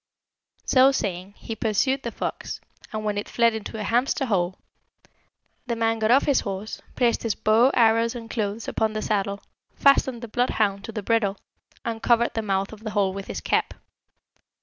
"So saying, he pursued the fox, and when it fled into a hamster's hole, the man got off his horse, placed his bow, arrows, and clothes upon the saddle, fastened the bloodhound to the bridle, and covered the mouth of the hole with his cap.